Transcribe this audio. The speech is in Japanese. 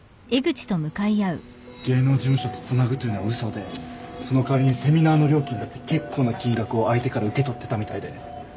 芸能事務所とつなぐというのは嘘でその代わりにセミナーの料金だって結構な金額を相手から受け取ってたみたいで。